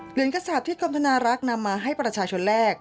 เหรียญกระสาปที่กรมธนารักษ์นำมาให้ประชาชนแรก